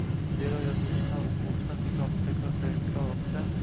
Zero, yozuvchi ham, o‘quvchi ham kitobni takror-takror o‘qisa